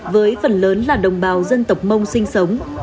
với phần lớn là đồng bào dân tộc mông sinh sống